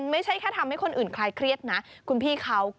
มีกันย่อเข่า